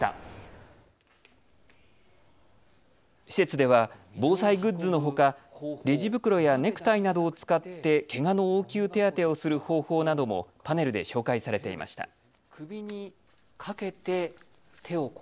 施設では防災グッズのほか、レジ袋やネクタイなどを使ってけがの応急手当をする方法などもパネルで紹介されていました。